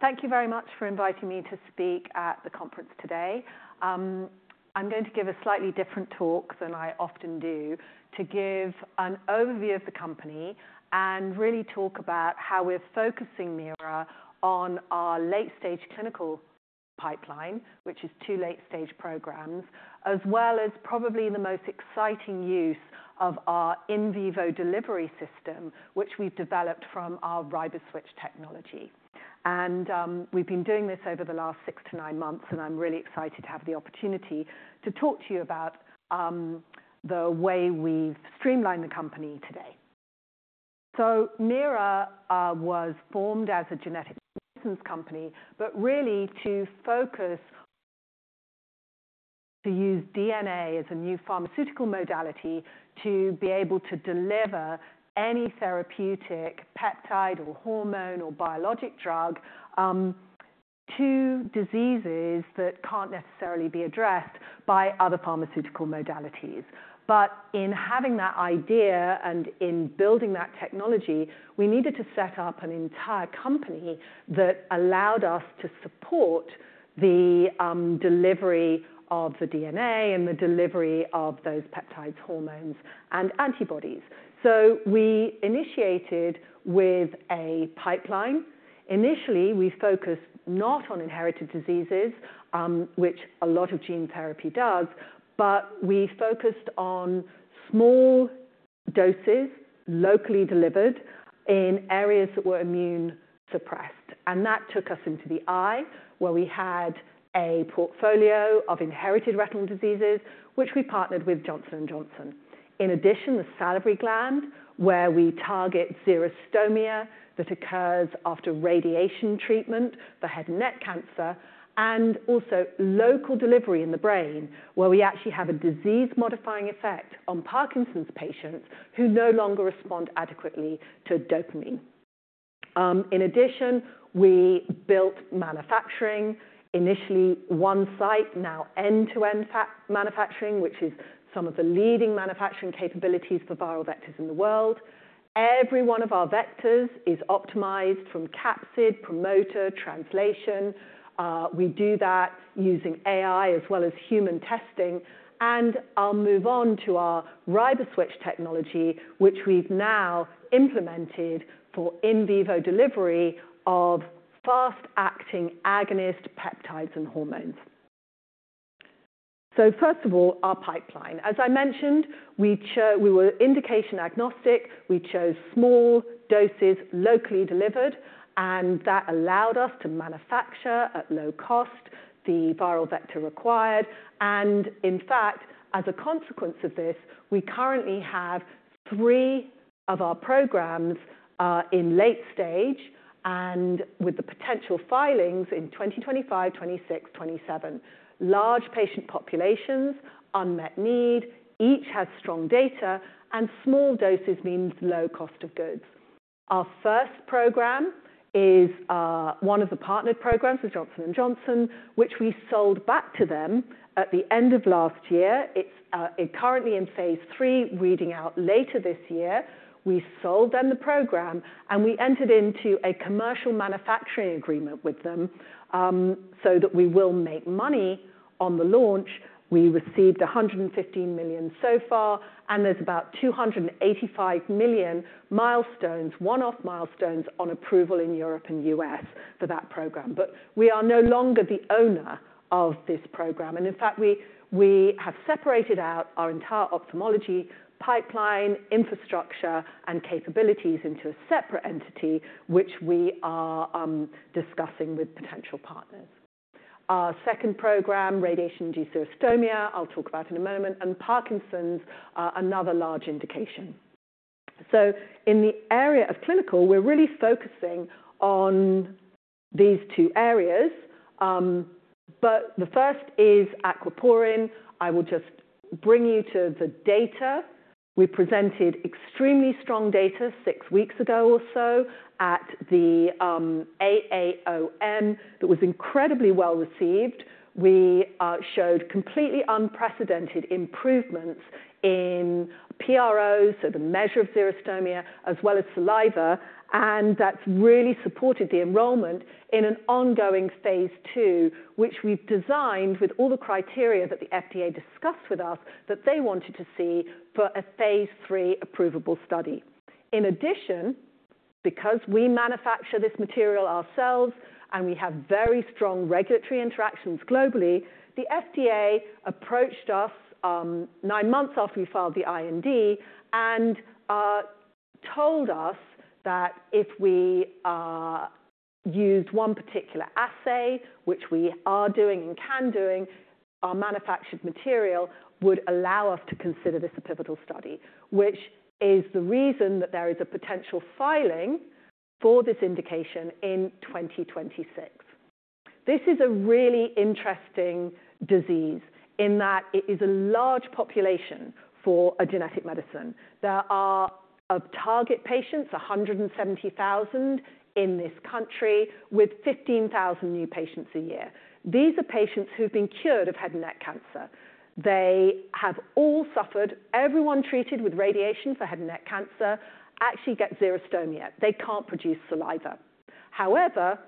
Thank you very much for inviting me to speak at the conference today. I'm going to give a slightly different talk than I often do, to give an overview of the company and really talk about how we're focusing Meira on our late-stage clinical pipeline, which is two late-stage programs, as well as probably the most exciting use of our in-vivo delivery system, which we've developed from our riboswitch technology. And we've been doing this over the last six to nine months, and I'm really excited to have the opportunity to talk to you about the way we've streamlined the company today. So Meira was formed as a genetic medicines company, but really to focus on using DNA as a new pharmaceutical modality to be able to deliver any therapeutic peptide or hormone or biologic drug to diseases that can't necessarily be addressed by other pharmaceutical modalities. But in having that idea and in building that technology, we needed to set up an entire company that allowed us to support the delivery of the DNA and the delivery of those peptides, hormones, and antibodies. So we initiated with a pipeline. Initially, we focused not on inherited diseases, which a lot of gene therapy does, but we focused on small doses, locally delivered in areas that were immune suppressed. And that took us into the eye, where we had a portfolio of inherited retinal diseases, which we partnered with Johnson & Johnson. In addition, the salivary gland, where we target xerostomia that occurs after radiation treatment for head and neck cancer, and also local delivery in the brain, where we actually have a disease-modifying effect on Parkinson's patients who no longer respond adequately to dopamine. In addition, we built manufacturing, initially one site, now end-to-end manufacturing, which is some of the leading manufacturing capabilities for viral vectors in the world. Every one of our vectors is optimized from capsid, promoter, translation. We do that using AI as well as human testing. And I'll move on to our riboswitch technology, which we've now implemented for in vivo delivery of fast-acting agonist peptides and hormones. So first of all, our pipeline. As I mentioned, we were indication agnostic. We chose small doses, locally delivered, and that allowed us to manufacture at low cost the viral vector required. And in fact, as a consequence of this, we currently have three of our programs in late stage and with the potential filings in 2025, 2026, 2027. Large patient populations, unmet need, each has strong data, and small doses means low cost of goods. Our first program is one of the partnered programs with Johnson & Johnson, which we sold back to them at the end of last year. It's currently in phase three, reading out later this year. We sold them the program, and we entered into a commercial manufacturing agreement with them so that we will make money on the launch. We received $115 million so far, and there's about $285 million milestones, one-off milestones on approval in Europe and the U.S. for that program. But we are no longer the owner of this program. And in fact, we have separated out our entire ophthalmology pipeline, infrastructure, and capabilities into a separate entity, which we are discussing with potential partners. Our second program, radiation induced xerostomia, I'll talk about in a moment, and Parkinson's, another large indication. So in the area of clinical, we're really focusing on these two areas. But the first is aquaporin. I will just bring you to the data. We presented extremely strong data six weeks ago or so at the AAOM that was incredibly well received. We showed completely unprecedented improvements in PROs, so the measure of xerostomia, as well as saliva. And that's really supported the enrollment in an ongoing phase II, which we've designed with all the criteria that the FDA discussed with us that they wanted to see for a phase III approvable study. In addition, because we manufacture this material ourselves and we have very strong regulatory interactions globally, the FDA approached us nine months after we filed the IND and told us that if we used one particular assay, which we are doing and can do, our manufactured material would allow us to consider this a pivotal study, which is the reason that there is a potential filing for this indication in 2026. This is a really interesting disease in that it is a large population for a genetic medicine. There are target patients, 170,000 in this country, with 15,000 new patients a year. These are patients who've been cured of head and neck cancer. They have all suffered, everyone treated with radiation for head and neck cancer, actually get xerostomia. They can't produce saliva. However,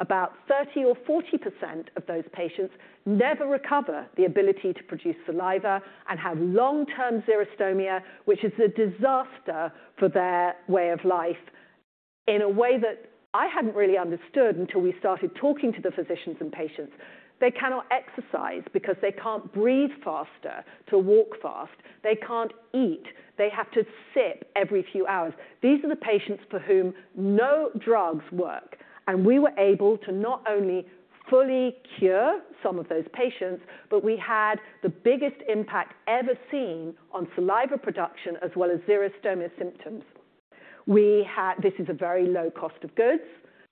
about 30% or 40% of those patients never recover the ability to produce saliva and have long-term xerostomia, which is a disaster for their way of life in a way that I hadn't really understood until we started talking to the physicians and patients. They cannot exercise because they can't breathe faster to walk fast. They can't eat. They have to sip every few hours. These are the patients for whom no drugs work. And we were able to not only fully cure some of those patients, but we had the biggest impact ever seen on saliva production as well as xerostomia symptoms. This is a very low cost of goods.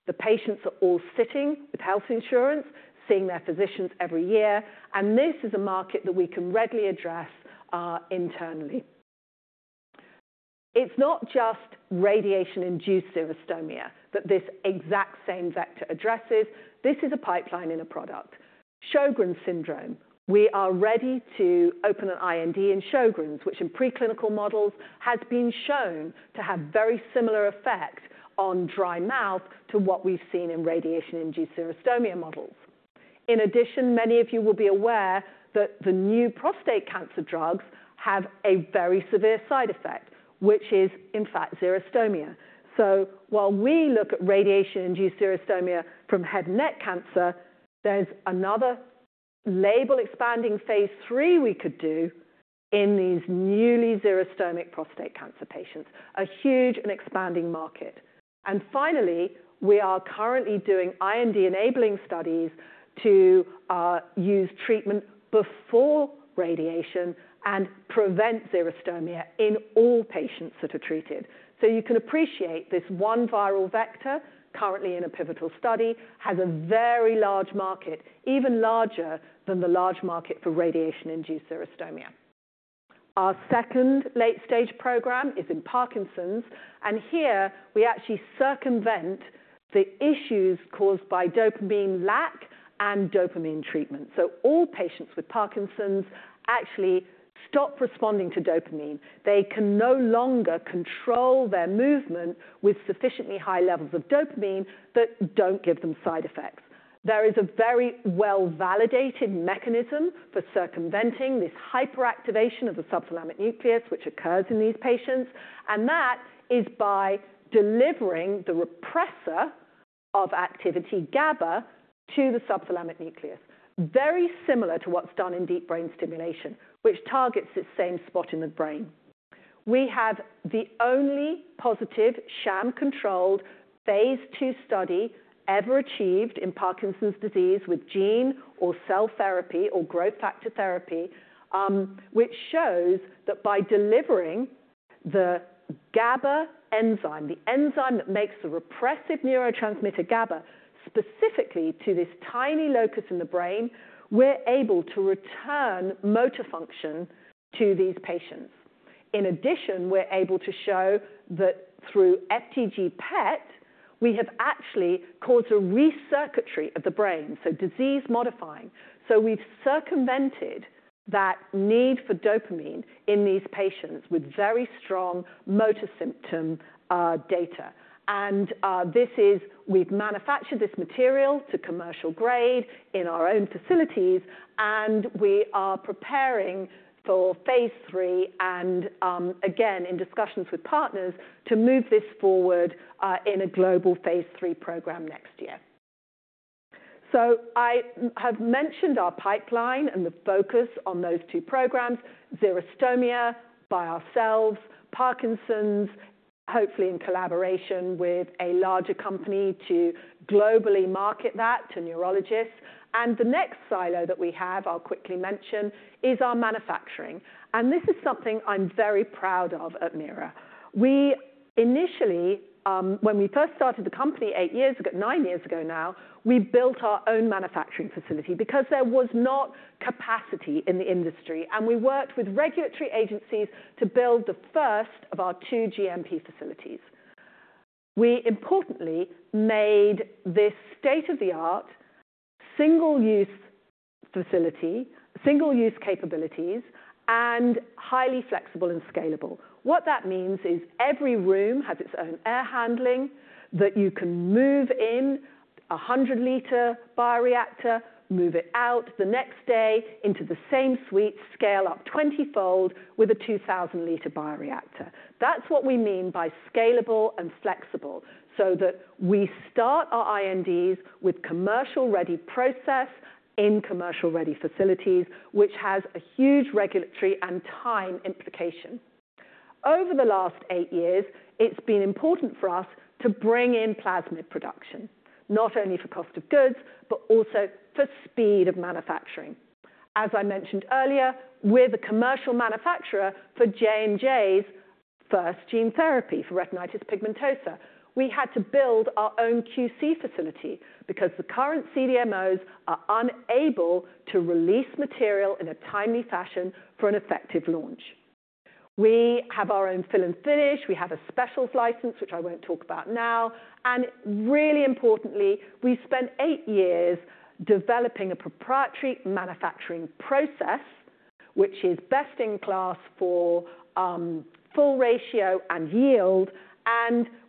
The patients are all sitting with health insurance, seeing their physicians every year. And this is a market that we can readily address internally. It's not just radiation-induced xerostomia that this exact same vector addresses. This is a pipeline in a product. Sjögren's syndrome, we are ready to open an IND in Sjögren's, which in preclinical models has been shown to have very similar effects on dry mouth to what we've seen in radiation-induced xerostomia models. In addition, many of you will be aware that the new prostate cancer drugs have a very severe side effect, which is, in fact, xerostomia. So while we look at radiation-induced xerostomia from head and neck cancer, there's another label expanding phase III we could do in these newly xerostomic prostate cancer patients, a huge and expanding market. And finally, we are currently doing IND-enabling studies to use treatment before radiation and prevent xerostomia in all patients that are treated. So you can appreciate this one viral vector currently in a pivotal study has a very large market, even larger than the large market for radiation-induced xerostomia. Our second late-stage program is in Parkinson's. And here, we actually circumvent the issues caused by dopamine lack and dopamine treatment. So all patients with Parkinson's actually stop responding to dopamine. They can no longer control their movement with sufficiently high levels of dopamine that don't give them side effects. There is a very well-validated mechanism for circumventing this hyperactivation of the subthalamic nucleus, which occurs in these patients. And that is by delivering the repressor of activity, GABA, to the subthalamic nucleus, very similar to what's done in deep brain stimulation, which targets the same spot in the brain. We have the only positive sham-controlled phase II study ever achieved in Parkinson's disease with gene or cell therapy or growth factor therapy, which shows that by delivering the GABA enzyme, the enzyme that makes the repressive neurotransmitter GABA specifically to this tiny locus in the brain, we're able to return motor function to these patients. In addition, we're able to show that through FDG-PET, we have actually caused a recircuitry of the brain, so disease-modifying. So we've circumvented that need for dopamine in these patients with very strong motor symptom data. And we've manufactured this material to commercial grade in our own facilities, and we are preparing for phase III. And again, in discussions with partners, to move this forward in a global phase III program next year. So I have mentioned our pipeline and the focus on those two programs, xerostomia by ourselves, Parkinson's, hopefully in collaboration with a larger company to globally market that to neurologists. The next silo that we have, I'll quickly mention, is our manufacturing. This is something I'm very proud of at Meira. When we first started the company eight years ago, nine years ago now, we built our own manufacturing facility because there was not capacity in the industry. We worked with regulatory agencies to build the first of our two GMP facilities. We importantly made this state-of-the-art single-use facility, single-use capabilities, and highly flexible and scalable. What that means is every room has its own air handling that you can move in a 100-liter bioreactor, move it out the next day into the same suite, scale up 20-fold with a 2,000 L bioreactor. That's what we mean by scalable and flexible so that we start our INDs with commercial-ready process in commercial-ready facilities, which has a huge regulatory and time implication. Over the last eight years, it's been important for us to bring in plasmid production, not only for cost of goods, but also for speed of manufacturing. As I mentioned earlier, we're the commercial manufacturer for J&J's first gene therapy for retinitis pigmentosa. We had to build our own QC facility because the current CDMOs are unable to release material in a timely fashion for an effective launch. We have our own fill and finish. We have a Specials license, which I won't talk about now. And really importantly, we spent eight years developing a proprietary manufacturing process, which is best in class for full ratio and yield.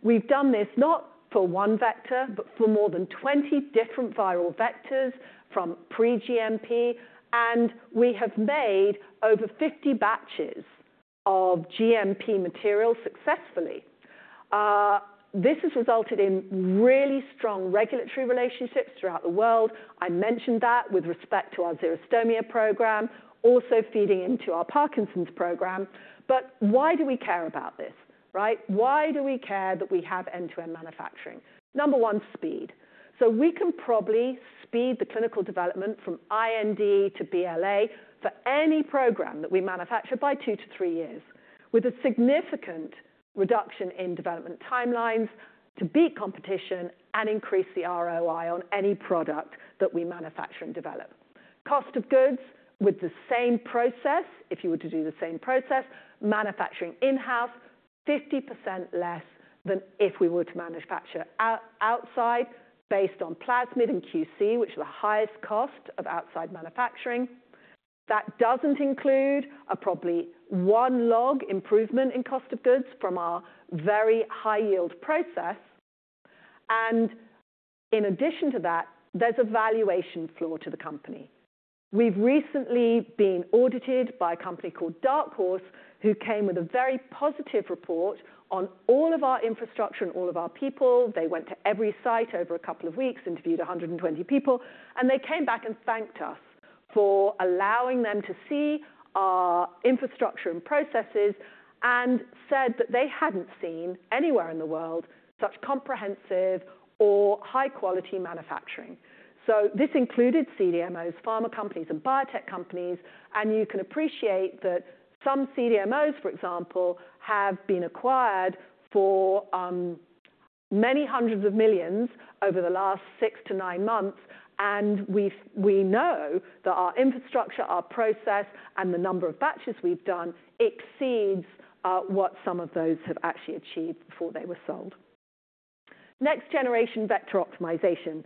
We've done this not for one vector, but for more than 20 different viral vectors from pre-GMP. We have made over 50 batches of GMP material successfully. This has resulted in really strong regulatory relationships throughout the world. I mentioned that with respect to our xerostomia program, also feeding into our Parkinson's program. But why do we care about this? Why do we care that we have end-to-end manufacturing? Number one, speed. So we can probably speed the clinical development from IND to BLA for any program that we manufacture by two to three years with a significant reduction in development timelines to beat competition and increase the ROI on any product that we manufacture and develop. Cost of goods with the same process, if you were to do the same process, manufacturing in-house, 50% less than if we were to manufacture outside based on plasmid and QC, which are the highest cost of outside manufacturing. That doesn't include a probably one log improvement in cost of goods from our very high-yield process. And in addition to that, there's a valuation floor to the company. We've recently been audited by a company called Dark Horse, who came with a very positive report on all of our infrastructure and all of our people. They went to every site over a couple of weeks, interviewed 120 people, and they came back and thanked us for allowing them to see our infrastructure and processes and said that they hadn't seen anywhere in the world such comprehensive or high-quality manufacturing. So this included CDMOs, pharma companies, and biotech companies. You can appreciate that some CDMOs, for example, have been acquired for many hundreds of millions over the last six to nine months. We know that our infrastructure, our process, and the number of batches we've done exceeds what some of those have actually achieved before they were sold. Next-generation vector optimization.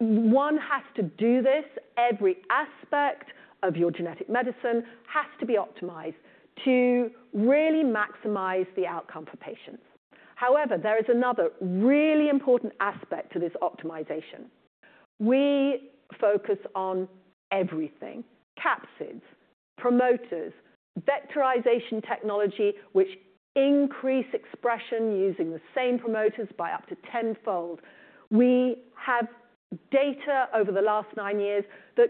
One has to do this. Every aspect of your genetic medicine has to be optimized to really maximize the outcome for patients. However, there is another really important aspect to this optimization. We focus on everything: capsids, promoters, vectorization technology, which increases expression using the same promoters by up to 10-fold. We have data over the last nine years that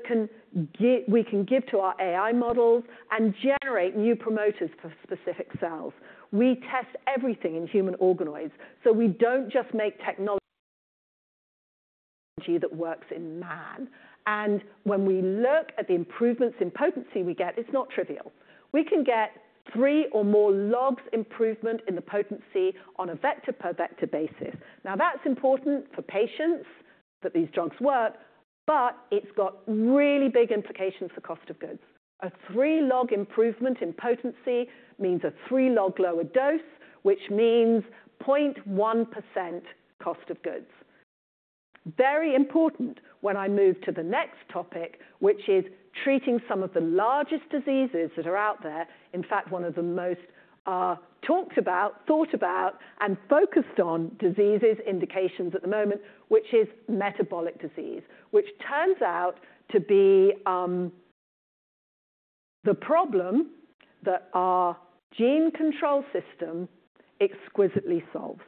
we can give to our AI models and generate new promoters for specific cells. We test everything in human organoids. So we don't just make technology that works in man. And when we look at the improvements in potency we get, it's not trivial. We can get three or more logs improvement in the potency on a vector-per-vector basis. Now, that's important for patients that these drugs work, but it's got really big implications for cost of goods. A three-log improvement in potency means a three-log lower dose, which means 0.1% cost of goods. Very important when I move to the next topic, which is treating some of the largest diseases that are out there. In fact, one of the most talked about, thought about, and focused on disease indications at the moment, which is metabolic disease, which turns out to be the problem that our gene control system exquisitely solves.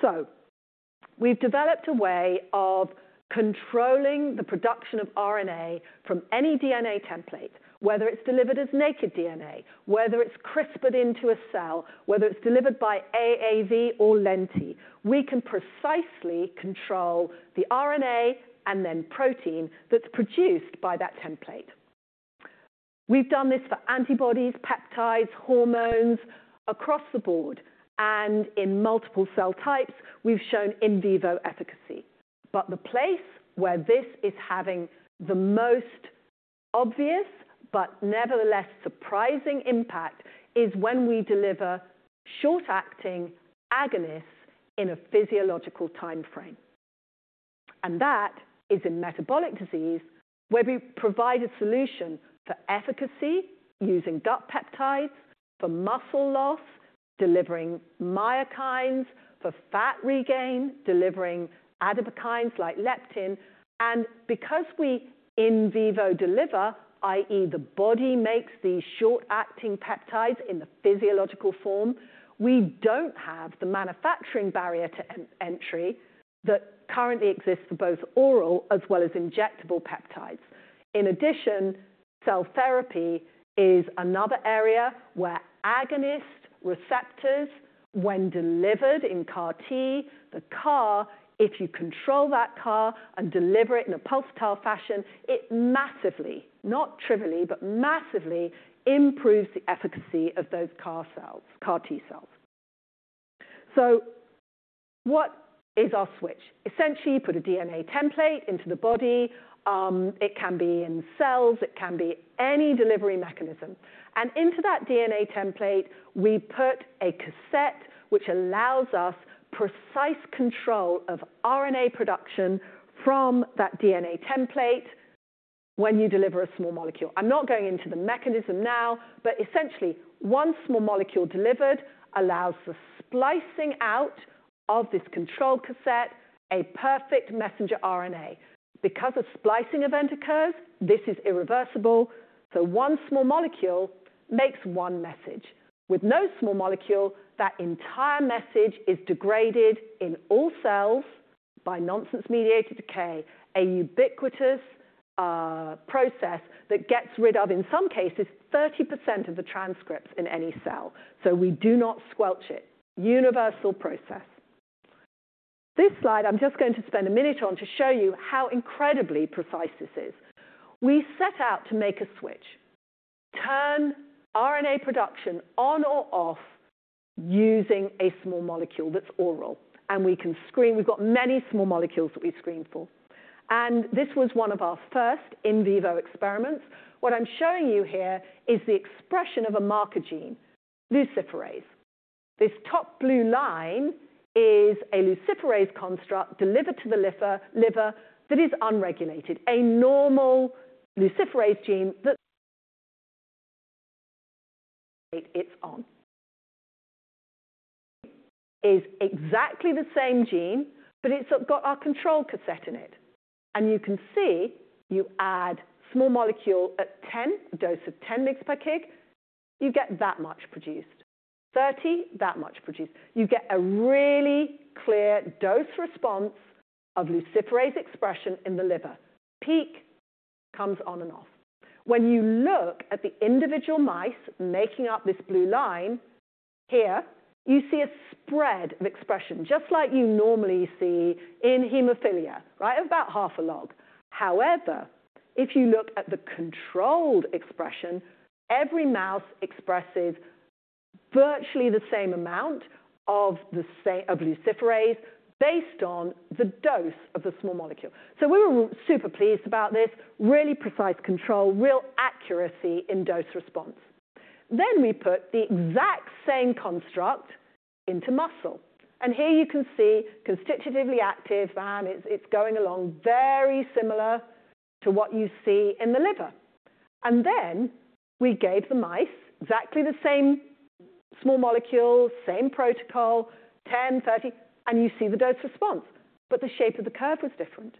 So we've developed a way of controlling the production of RNA from any DNA template, whether it's delivered as naked DNA, whether it's CRISPRed into a cell, whether it's delivered by AAV or lenti. We can precisely control the RNA and then protein that's produced by that template. We've done this for antibodies, peptides, hormones across the board. And in multiple cell types, we've shown in vivo efficacy. But the place where this is having the most obvious but nevertheless surprising impact is when we deliver short-acting agonists in a physiological timeframe. And that is in metabolic disease where we provide a solution for efficacy using gut peptides for muscle loss, delivering myokines for fat regain, delivering adipokines like leptin. And because we in vivo deliver, i.e., the body makes these short-acting peptides in the physiological form, we don't have the manufacturing barrier to entry that currently exists for both oral as well as injectable peptides. In addition, cell therapy is another area where agonist receptors, when delivered in CAR-T, the CAR, if you control that CAR and deliver it in a pulsatile fashion, it massively, not trivially, but massively improves the efficacy of those CAR-T cells. So what is our switch? Essentially, you put a DNA template into the body. It can be in cells. It can be any delivery mechanism. And into that DNA template, we put a cassette, which allows us precise control of RNA production from that DNA template when you deliver a small molecule. I'm not going into the mechanism now, but essentially, one small molecule delivered allows the splicing out of this control cassette, a perfect messenger RNA. Because a splicing event occurs, this is irreversible. So one small molecule makes one message. With no small molecule, that entire message is degraded in all cells by nonsense-mediated decay, a ubiquitous process that gets rid of, in some cases, 30% of the transcripts in any cell. So we do not squelch it. Universal process. This slide, I'm just going to spend a minute on to show you how incredibly precise this is. We set out to make a switch, turn RNA production on or off using a small molecule that's oral. And we can screen. We've got many small molecules that we screen for. And this was one of our first in vivo experiments. What I'm showing you here is the expression of a marker gene, luciferase. This top blue line is a luciferase construct delivered to the liver that is unregulated. A normal luciferase gene that it's on is exactly the same gene, but it's got our control cassette in it. And you can see you add a small molecule at dose of 10 mg per kg. You get that much produced. 30, that much produced. You get a really clear dose-response of luciferase expression in the liver. The peak comes on and off. When you look at the individual mice making up this blue line here, you see a spread of expression just like you normally see in hemophilia, right? About half a log. However, if you look at the controlled expression, every mouse expresses virtually the same amount of luciferase based on the dose of the small molecule. So we were super pleased about this. Really precise control, real accuracy in dose response. Then we put the exact same construct into muscle. And here you can see constitutively active, and it's going along very similar to what you see in the liver. And then we gave the mice exactly the same small molecule, same protocol, 10, 30, and you see the dose response. But the shape of the curve was different.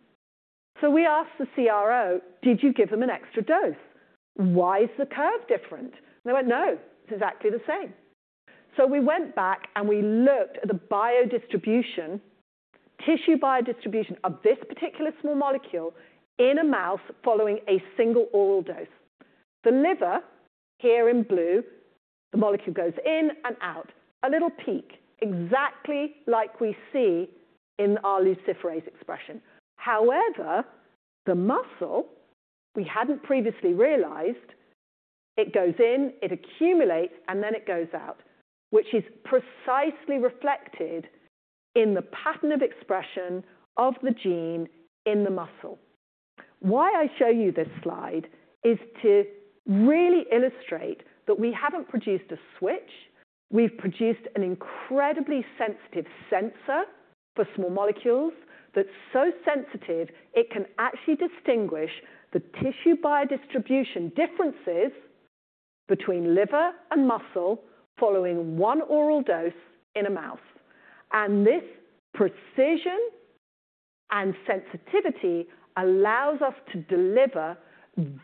So we asked the CRO, "Did you give them an extra dose? Why is the curve different?" They went, "No, it's exactly the same." So we went back and we looked at the biodistribution, tissue biodistribution of this particular small molecule in a mouse following a single oral dose. The liver, here in blue, the molecule goes in and out. A little peak, exactly like we see in our luciferase expression. However, the muscle, we hadn't previously realized, it goes in, it accumulates, and then it goes out, which is precisely reflected in the pattern of expression of the gene in the muscle. Why I show you this slide is to really illustrate that we haven't produced a switch. We've produced an incredibly sensitive sensor for small molecules that's so sensitive it can actually distinguish the tissue biodistribution differences between liver and muscle following one oral dose in a mouse. And this precision and sensitivity allows us to deliver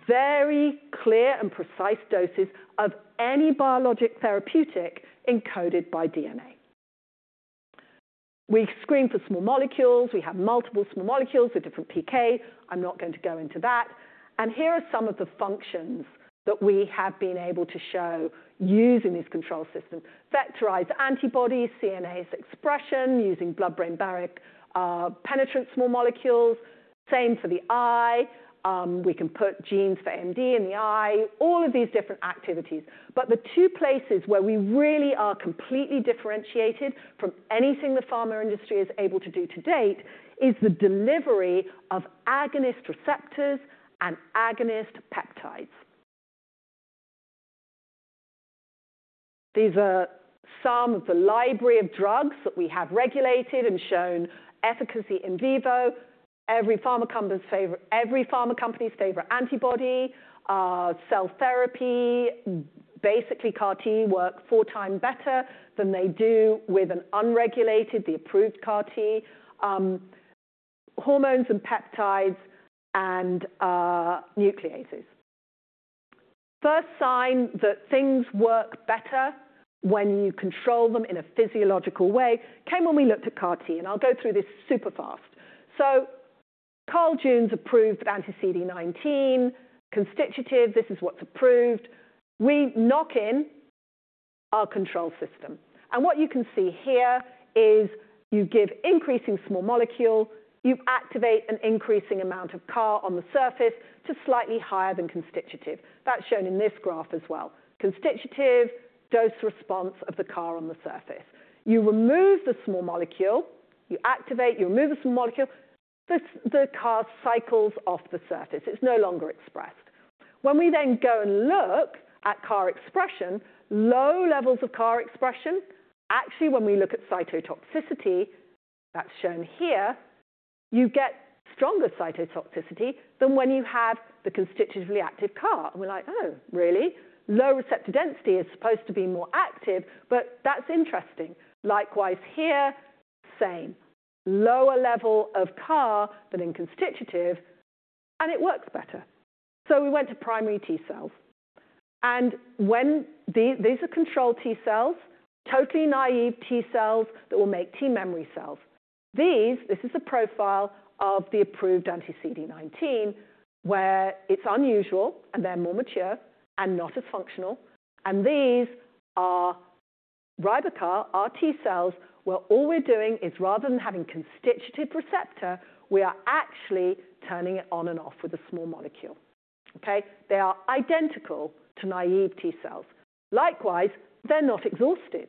very clear and precise doses of any biologic therapeutic encoded by DNA. We screen for small molecules. We have multiple small molecules with different pK. I'm not going to go into that. And here are some of the functions that we have been able to show using this control system: vectorized antibodies, CNS expression using blood-brain barrier penetrant small molecules. Same for the eye. We can put genes for AMD in the eye, all of these different activities. But the two places where we really are completely differentiated from anything the pharma industry is able to do to date is the delivery of agonist receptors and agonist peptides. These are some of the library of drugs that we have regulated and shown efficacy in vivo. Every pharma company's favorite antibody, cell therapy, basically CAR-T work four times better than they do with an unregulated, the approved CAR-T, hormones and peptides, and nucleases. First sign that things work better when you control them in a physiological way came when we looked at CAR-T. And I'll go through this super fast. So Carl June's approved anti-CD19 constitutive. This is what's approved. We knock in our control system. And what you can see here is you give increasing small molecule, you activate an increasing amount of CAR on the surface to slightly higher than constitutive. That's shown in this graph as well. Constitutive dose response of the CAR on the surface. You remove the small molecule, you activate, you remove the small molecule, the CAR cycles off the surface. It's no longer expressed. When we then go and look at CAR expression, low levels of CAR expression, actually, when we look at cytotoxicity, that's shown here, you get stronger cytotoxicity than when you had the constitutively active CAR. And we're like, "Oh, really? Low receptor density is supposed to be more active, but that's interesting." Likewise here, same. Lower level of CAR than in constitutive, and it works better. So we went to primary T cells. And these are controlled T cells, totally naive T cells that will make T memory cells. This is the profile of the approved anti-CD19 where it's unusual and they're more mature and not as functional. And these are RiboCAR, our T cells, where all we're doing is rather than having constitutive receptor, we are actually turning it on and off with a small molecule. Okay? They are identical to naive T cells. Likewise, they're not exhausted.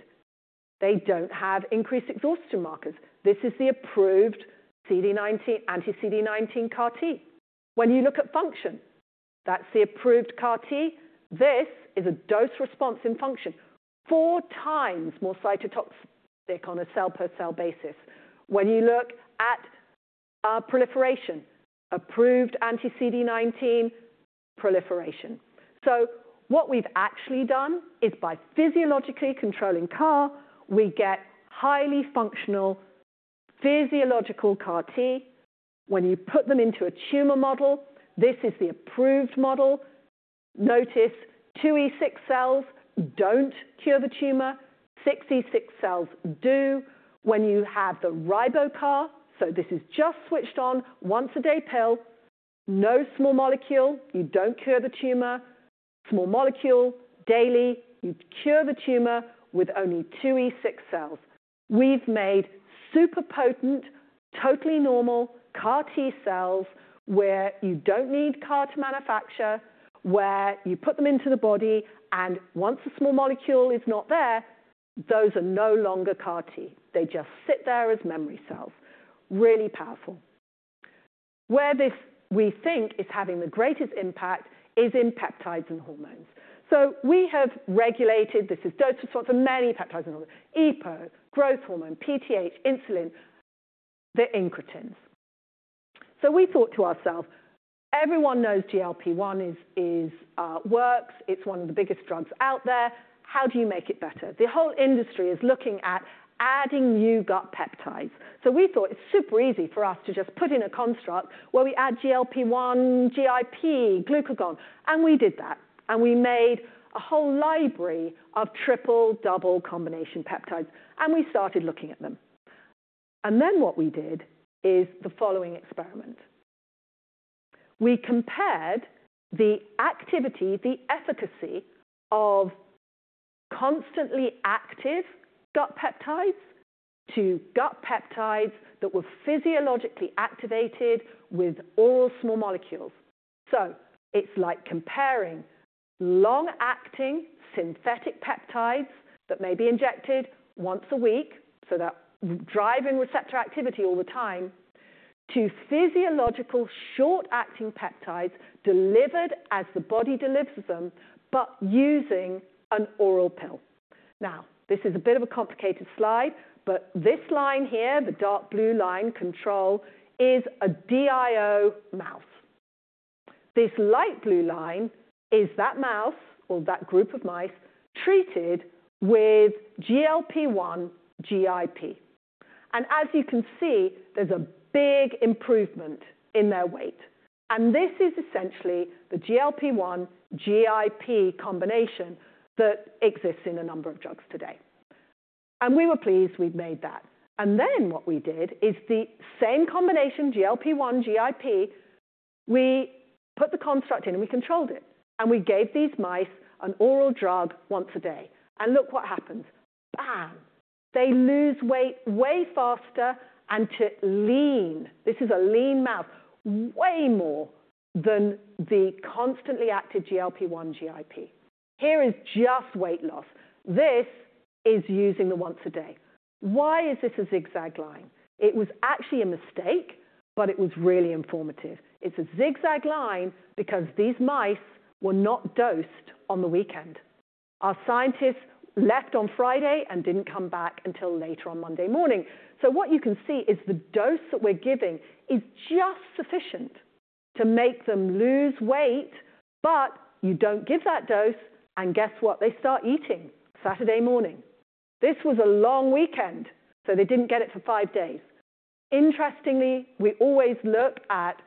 They don't have increased exhaustion markers. This is the approved anti-CD19 CAR-T. When you look at function, that's the approved CAR-T. This is a dose response in function. 4x more cytotoxic on a cell-per-cell basis. When you look at proliferation, approved anti-CD19 proliferation. So what we've actually done is by physiologically controlling CAR, we get highly functional physiological CAR-T. When you put them into a tumor model, this is the approved model. Notice, 2E6 cells don't cure the tumor. 6E6 cells do. When you have the RiboCAR, so this is just switched on, once-a-day pill, no small molecule, you don't cure the tumor. Small molecule, daily, you cure the tumor with only 2E6 cells. We've made super potent, totally normal CAR-T cells where you don't need CAR to manufacture, where you put them into the body, and once a small molecule is not there, those are no longer CAR-T. They just sit there as memory cells. Really powerful. Where this we think is having the greatest impact is in peptides and hormones. So we have regulated, this is dose response of many peptides and hormones: EPO, growth hormone, PTH, insulin, the incretins. So we thought to ourselves, everyone knows GLP-1 works. It's one of the biggest drugs out there. How do you make it better? The whole industry is looking at adding new gut peptides. So we thought it's super easy for us to just put in a construct where we add GLP-1, GIP, glucagon. And we did that. And we made a whole library of triple, double combination peptides. And we started looking at them. And then what we did is the following experiment. We compared the activity, the efficacy of constantly active gut peptides to gut peptides that were physiologically activated with oral small molecules. So it's like comparing long-acting synthetic peptides that may be injected once a week, so that driving receptor activity all the time, to physiological short-acting peptides delivered as the body delivers them, but using an oral pill. Now, this is a bit of a complicated slide, but this line here, the dark blue line control, is a DIO mouse. This light blue line is that mouse or that group of mice treated with GLP-1, GIP. As you can see, there's a big improvement in their weight. This is essentially the GLP-1, GIP combination that exists in a number of drugs today. We were pleased we'd made that. Then what we did is the same combination, GLP-1, GIP, we put the construct in and we controlled it. We gave these mice an oral drug once a day. Look what happens. Bam. They lose weight way faster and lean. This is a lean mouse, way more than the constantly active GLP-1, GIP. Here is just weight loss. This is using the once-a-day. Why is this a zigzag line? It was actually a mistake, but it was really informative. It's a zigzag line because these mice were not dosed on the weekend. Our scientists left on Friday and didn't come back until later on Monday morning. So what you can see is the dose that we're giving is just sufficient to make them lose weight, but you don't give that dose, and guess what? They start eating Saturday morning. This was a long weekend, so they didn't get it for five days. Interestingly, we always look at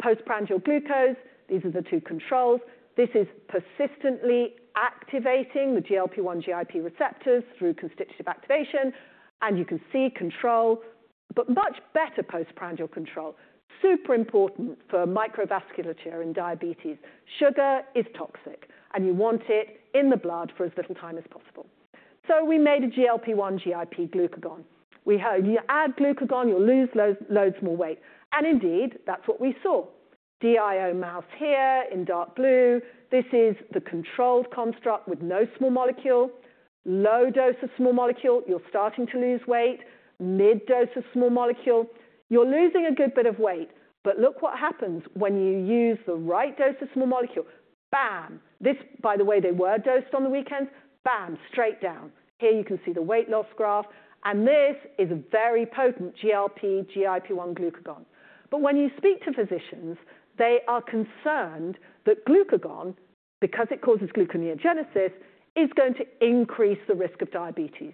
postprandial glucose. These are the two controls. This is persistently activating the GLP-1, GIP receptors through constitutive activation. And you can see control, but much better postprandial control. Super important for microvascular care in diabetes. Sugar is toxic, and you want it in the blood for as little time as possible. So we made a GLP-1, GIP glucagon. We heard you add glucagon, you'll lose loads more weight. And indeed, that's what we saw. DIO mouse here in dark blue. This is the controlled construct with no small molecule. Low dose of small molecule, you're starting to lose weight. Mid dose of small molecule, you're losing a good bit of weight. But look what happens when you use the right dose of small molecule. Bam. This, by the way, they were dosed on the weekend. Bam, straight down. Here you can see the weight loss graph. And this is a very potent GLP-1, GIP, glucagon. But when you speak to physicians, they are concerned that glucagon, because it causes gluconeogenesis, is going to increase the risk of diabetes.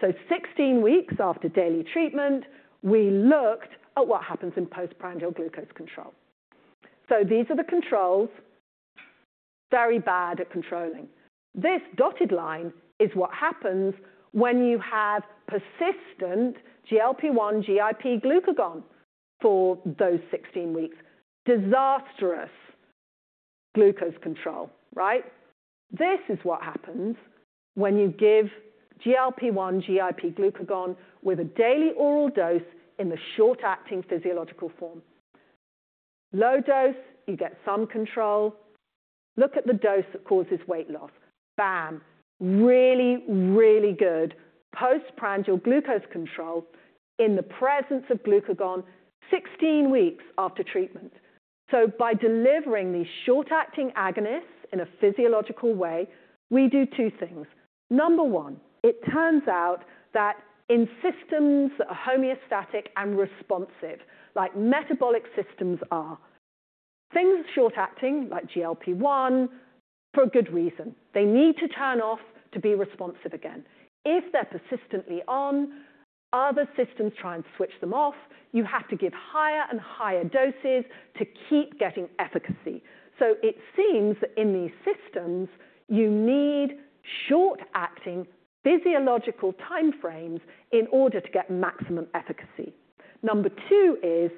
So 16 weeks after daily treatment, we looked at what happens in postprandial glucose control. So these are the controls. Very bad at controlling. This dotted line is what happens when you have persistent GLP-1, GIP, glucagon for those 16 weeks. Disastrous glucose control, right? This is what happens when you give GLP-1, GIP, glucagon with a daily oral dose in the short-acting physiological form. Low dose, you get some control. Look at the dose that causes weight loss. Bam. Really, really good postprandial glucose control in the presence of glucagon 16 weeks after treatment. So by delivering these short-acting agonists in a physiological way, we do two things. Number one, it turns out that in systems that are homeostatic and responsive, like metabolic systems are, things short-acting like GLP-1 for a good reason. They need to turn off to be responsive again. If they're persistently on, other systems try and switch them off. You have to give higher and higher doses to keep getting efficacy. So it seems that in these systems, you need short-acting physiological time frames in order to get maximum efficacy. Number two is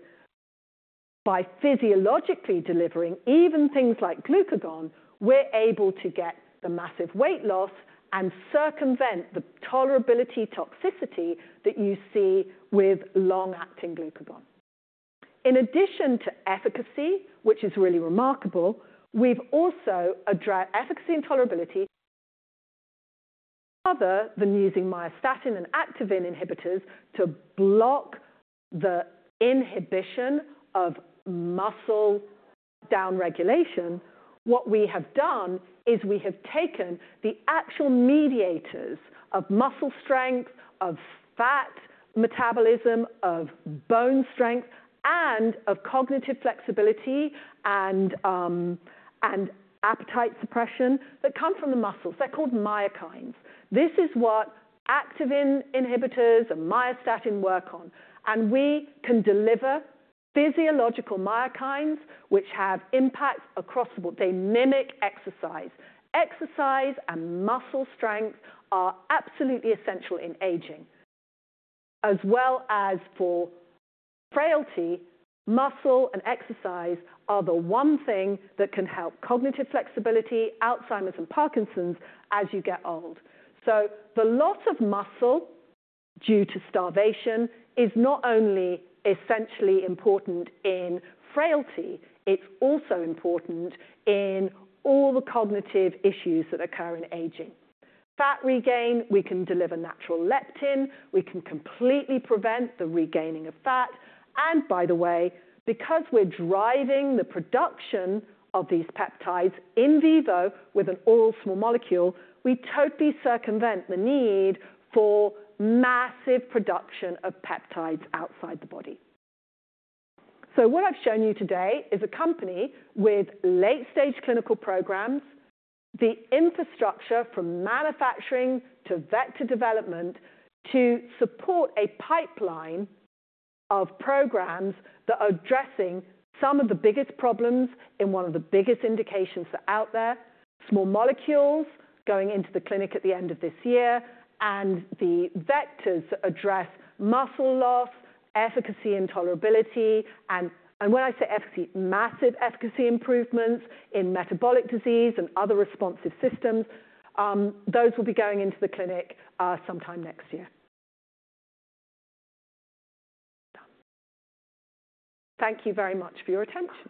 by physiologically delivering even things like glucagon, we're able to get the massive weight loss and circumvent the tolerability toxicity that you see with long-acting glucagon. In addition to efficacy, which is really remarkable, we've also addressed efficacy and tolerability other than using myostatin and activin inhibitors to block the inhibition of muscle down regulation. What we have done is we have taken the actual mediators of muscle strength, of fat metabolism, of bone strength, and of cognitive flexibility and appetite suppression that come from the muscles. They're called myokines. This is what activin inhibitors and myostatin work on. And we can deliver physiological myokines, which have impacts across the board. They mimic exercise. Exercise and muscle strength are absolutely essential in aging, as well as for frailty. Muscle and exercise are the one thing that can help cognitive flexibility, Alzheimer's and Parkinson's as you get old. So the loss of muscle due to starvation is not only essentially important in frailty, it's also important in all the cognitive issues that occur in aging. Fat regain, we can deliver natural leptin. We can completely prevent the regaining of fat. And by the way, because we're driving the production of these peptides in vivo with an oral small molecule, we totally circumvent the need for massive production of peptides outside the body. So what I've shown you today is a company with late-stage clinical programs, the infrastructure from manufacturing to vector development to support a pipeline of programs that are addressing some of the biggest problems in one of the biggest indications that are out there, small molecules going into the clinic at the end of this year, and the vectors that address muscle loss, efficacy, and tolerability. When I say efficacy, massive efficacy improvements in metabolic disease and other responsive systems, those will be going into the clinic sometime next year. Thank you very much for your attention.